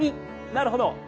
なるほど。